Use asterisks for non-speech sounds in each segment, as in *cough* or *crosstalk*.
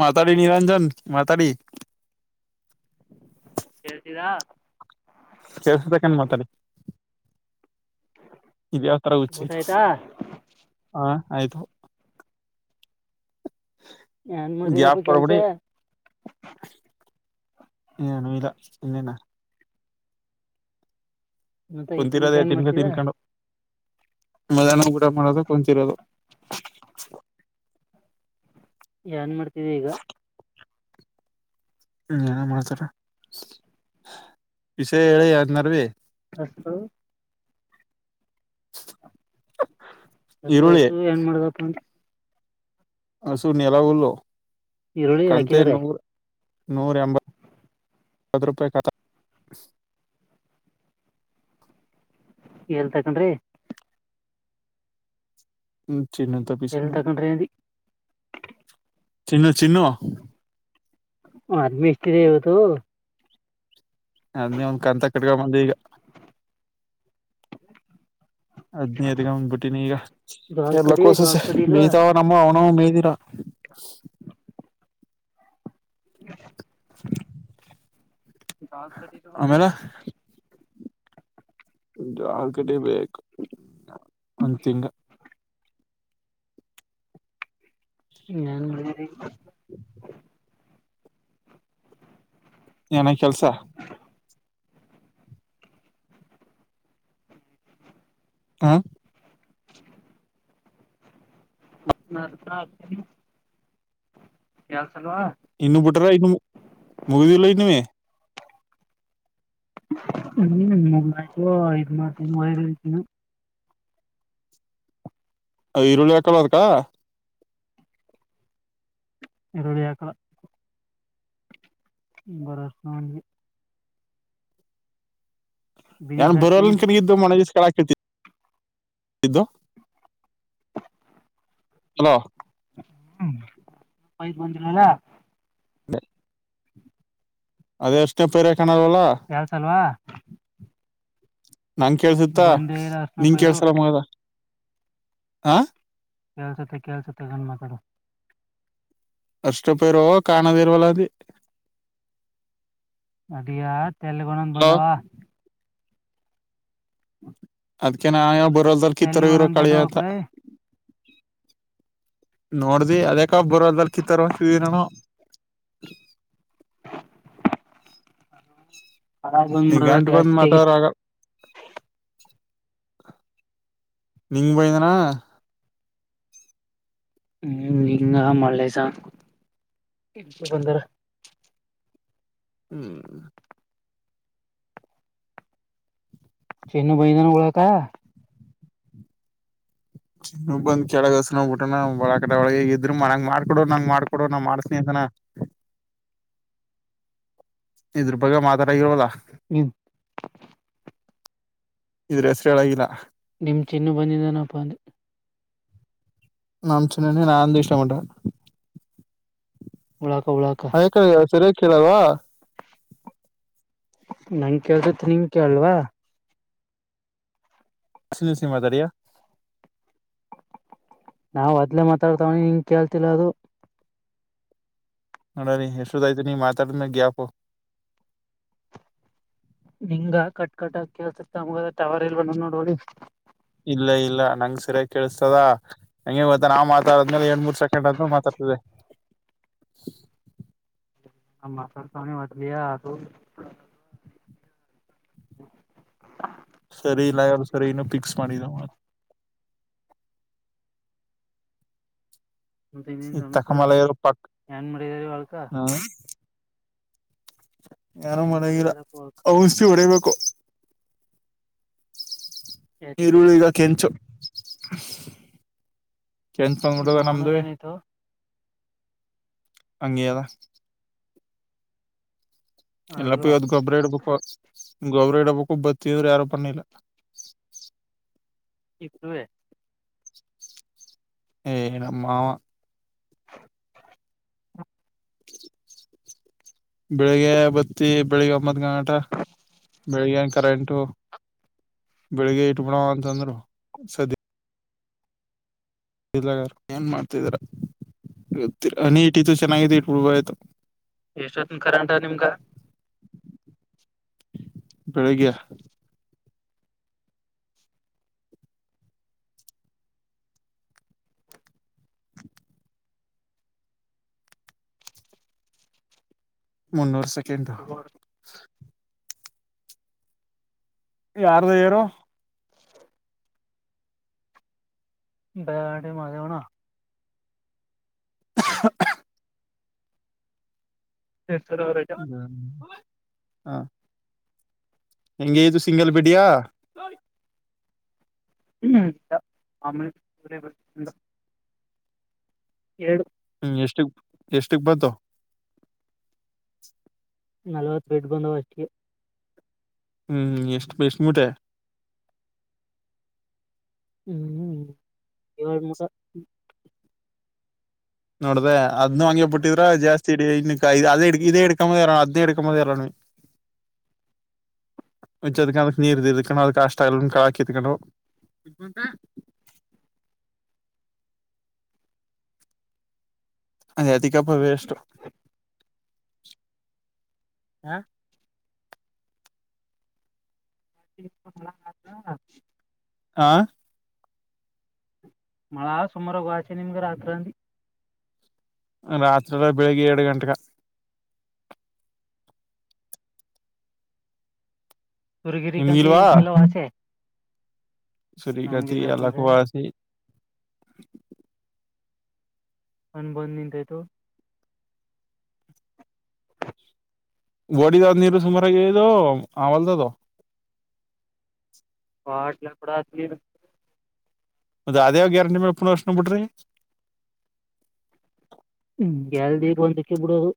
ಮತಾಾರೀ ನಿರಂಜನ ಮಾತಾರೀ ಕೇಳ್ತೀರಾ ಕೆತಕ ಮಾತ ಇದು ಯಾವ ತರ ಊಟ ಹುಚ್ಚಾಯ್ತು ಆಯ್ತಾ ಹ ಆಯ್ತು ಏನ್ ಮಾಡ್ತಿದಪ್ಪ ಗಾಪ್ ಕೆಲ್ಸ ಪಬಡಿ ಹಏ ನಲ ಇನ್ನೇನಾ ಮತ್ತೆ ಇಷ್ಟ ಮಟ್ಟ ಕುಂತರೋದ ಏನ್ ತಿನ್ಕ ಮಾಡ್ತಿದ ತಿನ್ಕೊಂಡು ಮಧ್ಯಾಹ್ನ ಕಊಡ ಮಾಡೋದು ಕೊಚಿರೋದು ಏನ್ ಮಾಡ್ತವಿ ಈಗ ಹ್ಮ ಏನ ಮಾಡ್ತಾರ ವಿಷಯ ಹೇಳಿ ಅದನಾರವಿ ಹಷ್ಟ ಹಸು ಈರುಳ್ಳಿ ಹಸು ಏನ್ ಮಾಡದಪ್ಪ ಅಂತ ಹ ಸು ನೀ ಎಲ್ಲ ಉಲ್ಲ ಈರುಳ್ಳಿ ಹಾಕಿದಿದ್ದಾರೆ ನೂರ ಎಂಬತ್ತು ರೂಪಾಯಿ ಕಾಲ ಎಳ್ ತಕೊಂಡ್ರಿ ಹ್ಮ ಚಿನ್ನಂತಪ್ಪೀಸ್ಕ ಎಲ್ ಮದು ತಕೊಂಡ್ರಿ ಅಂದಿ ಚನ್ನ ಚಿನ್ನ ರ್ ಮಸ್ತ್ರಿ ಇ ತು ಅದ್ನ್ನೇ ಒಂದ್ ಕಂತ ಕಟ್ಕ ಬಂದ ಈಗ ಹದ್ನೇದಗ ಬಂದ್ಬಿಟ್ಟಿನಿ ಈಗ ದಾಲ್ ಎಲ್ಲ ಕಡಿ ದಾಲ್ ಕೋಸಸ ಕಡಿ ಇಲ್ವಾ ಮೇಯತಾವ ನಮ್ಮ ಅವನು ಅ ಮೇದರಾ ಹ ಬಲ್ ಕಟ್ಟ ಆಮೇಲೆ ಜಾರ್ ಕಡೆ ಬೇಕು ಒಂದ್ ತಿಂಗ ನನ್ ಏನ ಕೆಲ್ಸ *inaudible* *unintelligible* ಇನ್ನು ಬಿಟ್ರ *unintelligible* ಇನ್ನು ಮೂವೀ ಅಲೆ ಇದೇನೆ ಹ್ಮ್ ಐದು ಮಾಡ ವೈರಐತಿನ ಈರುಳ್ಳಿ ಹಕಳೋದಕ್ಕ ಈರುಳ್ಳಿ ಆಕ *unintelligible* ಬಿನಿಸ್ ಯನು ಹಾಕ್ತೀನಿ ಬರೋಕ ಮ ಜ ಕಲಕೃತಿ ಇದು ಹಲೋ ಹ್ಮ ಬಂದರಲ್ಲ *inaudible* ಅದೇ ಎಷ್ಟ ಪೇರೆ ಯಾರ ಸಲ್ವಾ ನಂಗ ಕೇಳ್ಸತ್ತ ಅರ್ಶನ ನಿಂಗ ಪೈರು ಕೇಳ್ಸರ ಮಗದ ಹಾ ಕೇಳ್ಸುತ್ತ ಕೇಳ್ಸುತ್ತ ಆರಾಮ ಮಾತಾಡೂ ಅಷ್ಟಪೇರುವ ಕಾಣದೇರವಲ್ಲ ಅದೆ ಅಡಿಯಾ ತಲ್ಗೊಂಡನ್ ಬಂದಾವ ಅದ್ಕ ನಾವ ಯಾವ ಬರಲ್ಲ್ ಕಿತ್ತರ ತೆಲ್ಗ ಇರೋ ಒಣೊಂದ್ ಬಂದವ ಕಳಿತ ಕೂಡ ನೋಡ್ದಿ ಅದೇಕಬ್ ಬರದಲ್ ಚಿತ್ತರ್ ಹೊತಿದಿ ಏನು ಏನೋ ಹಲಾರ್ ನೀ ಬಂದ್ಬಿಡುದ ಗಂಟ್ಗೊಂದ್ ಜಾಸ್ತಿಗೆ ಮಾತಾಡೋರಾಗ ನಿಂಗ ಬಯಂದನಾ ಹಿಂಗ ಮಲೇಶ ಅಷ್ಟೇ ಬಂದರೆ ಹ್ಮ್ ಚೆನ್ನು ಮೈಂದಾನ ಒಳಕ ಬ್ ಕೆಳಗಸ ನ್ಬ ಬಿಟ್ಟ ನ ಒಳ ಕಡೆ ಒಳಗೆ ಇದ್ರು ಮ ನಂಗಗೆ ಮಾಡ್ಕೊಡು ನಂಗ್ ಮಾಡ್ಕೊಡು ನಾ ಮಾಡ್ತನಿ ಅಂತ ಹೆಲೆನ್ *inaudible* ಇದ್ರ ಬಗ್ಗೆ ಮಾತಾಡಾಗಿರೋದಾ ಹ್ಮ್ ಇದ್ರೆ ಹೆಸರುಳಾಗಿಲ್ಲ ನಿಮ ಚಿನ್ನ ಬಂದಿದ್ದನಪ್ಪ ಅಂದೆ ನಮ್ ಚಿನ್ನು ನನಂದು ಇಷ್ಟ ಮತ ಒಳ ಯಾಕ ಸರಿಯ ಕೇಳಲ್ವಾ ನಗೆ ಕೇಳ್ದತ್ ನಿನ್ ಕೇಳಲ್ವಾ ಇನಿಸಿ ಮಾಡಾದಾರ ನಾವ್ ಅದ್ಲೆ ಮಾತಾಡ್ತಾವಣಿ ಹಂಗ ಕೇಳ್ತಿಲ್ಲ ಅದು ನೋಡ್ ಅಡೆ ಎಷ್ಟು ಆಯ್ತು ನೀ ಮಾತಾಡು ಮೇಲೆ ಗ್ಯಾಪು ಹಿಂಗ ಕಟ್ ಕಟ್ಗ ಕೇಳ್ಸತ್ತ ಮುಗ ಟವರ್ ಇಲ್ ಬಣ ನೋಡಿ ಇಲ್ಲ ಇಲ್ಲ ನಂಗ್ ಸರಿಯಾಗಿ ಕೇಳಿಸ್ತದ ಹಂಗೆ ಗತ್ತ ನಾ ಮಾತಾಡಿದ್ಮೇಲೆ ಎರಡ್ ಮೂರ್ ಸೆಕೆಂಡ್ ಅಂತೂ ಮಾತಾಡ್ತದೆ *inaudible* ಆ ಮಾತಾಡೆಯತಣಿ ಬದಲಿಯತು ಅದು *inaudible* ಸರಿಯ ಲಾಗಲ್ಲ ಸರಿ ಈನು ಪಿಕ್ಸ್ ಮಾಡಿದ್ದ ಮಂತ ಇನ್ನನ್ ಈ ಸಮಚಾರ ತಕಮಲ ಇರೋ ಪಕ್ ಏನ್ ಮಾಡಿದಾರ ಹೊಳಕ ಹ ಯಾರು ಏನ್ ಮನೆಗಿರ ಇಲ್ಲ ಮಾಡಿದಾರಪ್ಪ ಹೊಳ್ಕ ಔಷಿ ಹೊಡಬೇಕು ಯಾತಿಕೆ ಈರುಳ್ಳ ಈಗ ಕೆಂಚು ಕೆಂಚು ನಿಮ್ ತಂದಡದ ನಮ್ದ ಮಾವನದ ಏನಾಯ್ತು ಅಂಗೆ ಅದ ಎಲ್ಲ ಆಗಲ್ವ ಪೋಯ ಗೊಬ್ಬ್ರ ಇಡ್ಬೇಕು ಗೊಬ್ಬರ ಇಡಬೇಕ್ಕು ಬತ್ತವ್ರು ಯಾರು ಬನ್ನಿಲ್ಲ ಇಪ್ಪೆ. ಏ ನಮ್ಮ ಮಾವ. *inaudible* ಬೆಳಿಗ್ಗೆ ಬತ್ತಿ ಬೆಳಿಗ್ಗೆ ಒಂಬತ್ತು ಗಂಟ ಬೆಳಿಗ್ಗೆ ಕರೆಂಟು ಬೆಳಿಗ್ಗೆ ಇಟ್ಬಣ ಅಂತಂದ್ರು ಸದ ಇಲ್ಲಗಾರ ಏನ್ ಮಾಡ್ತಿದಿರ. ನೀ ಇಟ್ ಇತ್ತುು ಚೆನ್ನಾಗ ಇಬ ಆಯ್ತು. ಎಷ್ಟೊತ್ತನ್ ಕರಂಟ ನಿಮ್ಗ ಬೆಳಿಗ್ಗೆ ಮುನ್ನೂರು ಸೆಕೆಂಡ ಯಾರ್ದು ಏನು ಬ್ಯಾಟ ಮಾಡ್ಯಾವನ. *inaudible* ಹ್ಮ್ ಹಾ. ಹೆಂಗ ದು ಸಿಂಗಲ್ ಬಿಡಿಯ ಹ್ಮ ಆಮಲೆ ಎಡು ಹ್ಮ್ ಎಷ್ಟಕ್ ಎಷ್ಟಕ್ ಬತ ನಲ್ವತ್ತು ಬಿಡ್ ಬಂದವ ಅಷ್ಟಿಗೆ ಹ್ಮ್ ಎಷ್ಟು ಬಷಮುಟೆ ಹ್ಮ್ ಹ್ಮ ಇವಾರ ಮಟ ನೋಡ್ದೆ ಅದ್ ಹಂಗೆ ಬಿಟ್ಟಿದ್ರ ಜಾಸ್ತಿ ಸ ಇನ್ನು ಅ ಇದೇ ಎಡ್ಕ ಮದ ಇರು ಅೇ ಎಡ್ಕ ಮಾದ ಇರಾನು *inaudible* ವಚ್ಚದಕ್ಕ ಅದಕ್ಕೆ ನೀರು ಇದಕಣ ಅದಕ್ಕೆ ಆಷ್ಟ ಎಲ್ಲ ಕಾಕಿಕ *inaudible* ಅದ ಅದಿಕಪ್ಪ ವೇಷ್ಟು ಹ ಹ ಆಾ ಮಳೆ ಸುಮಾರ ಗ ಆಾಚೆ ನಿಮ್ಗೆ ರಾತ್ರಂದ ರಾತ್ರಿಲ್ಲ ಬೆಳಿಗ್ಗೆ ಎಏಡು ಗಂಟೆೆಗೆ ಸುರಗಿರಿ ಕಂತಿ ನಿಮ್ಗಿಲ್ವಾ ಮಲಾವವಚ ಸುರಿಕತಿ ಕಮ್ರೆ ಲಖುವಾಸ ಅನ್ ಬಂದ್ ನಿಂತಾಯತು ಬೋಡಿಿದ ನೀರು ಸುಮಾರದು ಆಮಲ್ದದು ಹಾಟ್ ಕಡ ಮದ್ ಅದೇಾವ ಗ್ಯಾರಂಟಿ ಮೇಲೆ ಪುನವರ್ಷನ ಬಿಡ್ರಿ ಹ್ಮ್ ಎಲ್ದಗ ಒಂದಕ್ಕೆ ಬಿಡೋದು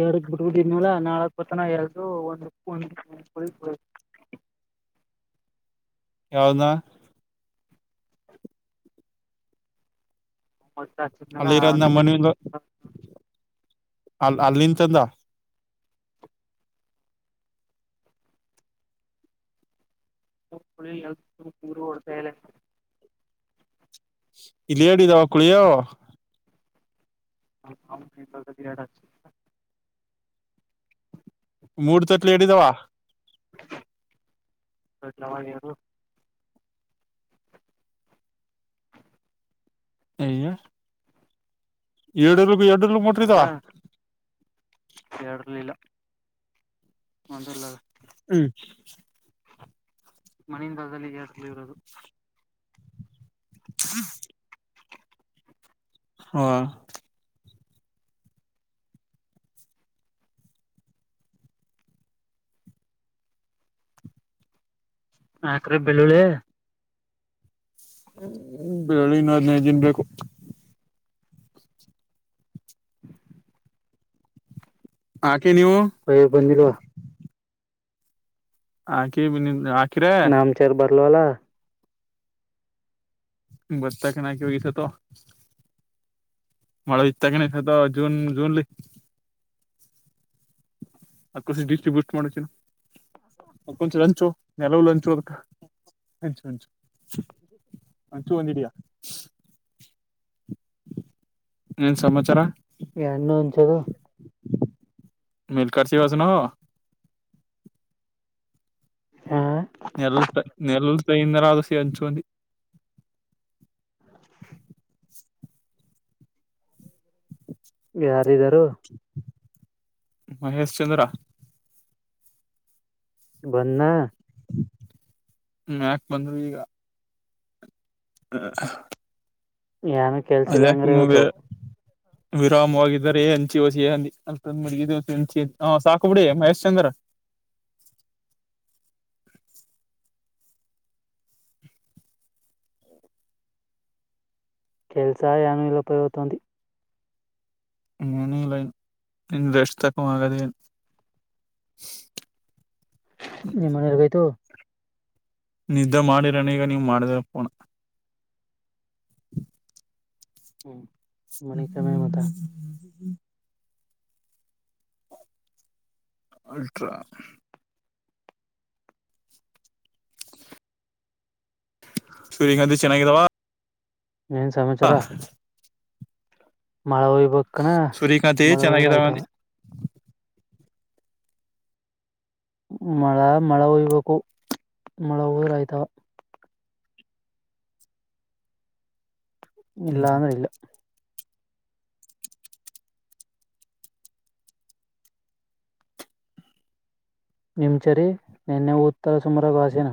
ಎರಡ ಬಿಡ್ಬನಲ ನಾಳಕ್ ಪತನ ಎಲ್್ದು ಒಂದ ಳ ಯಾವ್ದದ ಮ ಚಲ್ಲ ಅಲ್ಲಿ ಅ ಅಲ್ಲಿಂತಂದ ಳ ಎ ಪೂರ್ವಡ್ತಾಯಲೆ ಇಲ್ಲಿ ಹೇಳಿದಾವ ಕುಳಿಯೋ ರಾಟ ಮೂಡ್ ತಟ್ಲು ಎಡಿದಾವ ಜವ ನೀ *inaudible* *inaudible* ಏಡಲ್ಗ ಎಡ ಮುಟ್ರಿದವ ಸರ್ಲಿಲ್ಲ ಒಂದುಲ *inaudible* ಮನೆಯಿಂದಾಲದಲ್ಲಿ ಜಲಿ ಇರೋದು ಹ್ಮ ಹಾ ಆಕ್ರ ಬೆಳ್ಳುಳ್ಳಿ ಬಿಳ್ಳಳ್ಳಿ ಇನ್ನುೂ ಹದನೈದು ದನ್ ಬೇಕು *inaudible* ಹಾಕಿ ನೀವು ಯ ಬಂದಿಲ್ವಾ ಆಕೆ ನಮಚಾರ ಬದಲವಲ ಬತಾಕ್ಕೆಣಕವ ಇತ್ತುತ್ತು ಮಳೆ ಇತ್ತಕನ ಅದ ಜೂನ್ ಜೂನ್ಲಿ ಅಕಷ ಡಿಸ್ಟ್ರಿಬ್ಯೂಟ್ ಮಾಡಿನ ಕೊಂಚ ಲಂಚು ನೆಲವು ಲಂಚುದ ಮಂಚು ಮಂಚು ಒಂಚೂ ಒಂದಡಿಯ ಏನ್ ಸಮಾಚಾರ ಹೆಣ್ಣು ಹಂಚೋದು ಮಲ್ಕರ್ಟ್ ಸಿ ಹೊಸನು ಹಾ ನೆಲ್ಲ ತ ನೆಲ್ಲಲ್ ತಯ ತರದು ಸ ಹಚಕಿ *unintelligible* ಯಾರಿದಾರು ಮಹೇಶ್ ಚಂದ್ರ ಭನ್ನ ಹ್ಮ ಯಾಕ ಬಂದ್ರು ಈಗ ಹ ಏಾನೂ ಕೆಲ್ಸಿಲ್ಲ ಅಂಗ್ರೆ ಇವತ್ತು ವಿರಾಮವಾಗಿದ್ದಾರೆ ಹಂಚಿವಸಿಂದಿ ಅ ಮುಗ ಹೆಂಚಿ ಹ ಸಾಕಬಿಡಿ ಮಹೇಶ್ ಚಂದ್ರ *unintelligible* ಕೆಲಸ ಯನು ಇಲಪತತಿ ಮನಿಂಗ್ ಲೈನ್ ಇ ಎಷ್ಟುತಕ್ಕ ಆಗದೇ ನಿ ಮನರಗೈತು ನಿದ್ದ ಮಾಡಿರೋನ ಈಗ ನೀವ್ ಮಾಡ್ದಪ್ಪೋಣ ಹ್ಮ ಹ್ಮ್ ಹ್ಮ್ ಹ್ಮ ಹ್ಮ್ ಅಲ್ಟ್ರಾ ಚುರಿಖಂತ ಚೆನ್ನಾಗದಾವ ಏನ್ ಸಮಾಚಾರ ಮಳೆ ಹಯ್ಬ ಕಣ ಸೂರ್ಯಕಾಂತಿ ಮಳೆ ಹೋದ್ರ ಚೆನ್ನಾಗಿದಾವ ಆಯ್ತಾವ ಅಂದಿ ಮಳ ಮಳೆ ಹಯ್ಬೇಕು ಮಳೆ ಹೋದ್ರ ಆಯ್ತವ ಇಲ್ಲ ಹ್ಮ್ ಅಂದ್ರೆ ಇಲ್ಲ ನಿಮಚರಿ ನಿನ್ನೆ ಉತ್ತರ ಸುಮರ ವಾಸಿನ